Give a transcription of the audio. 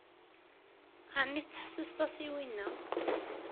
Ɛni tettḥessiseḍ-as i winna?